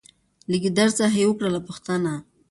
له ګیدړ څخه یې وکړله پوښتنه